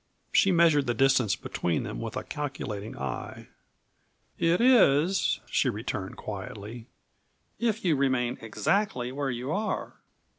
She measured the distance between them with a calculating eye. "It is," she returned quietly, "if you remain exactly where you are."